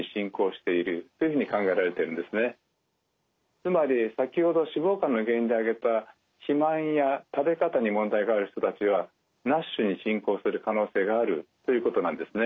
つまり先ほど脂肪肝の原因で挙げた肥満や食べ方に問題がある人たちはＮＡＳＨに進行する可能性があるということなんですね。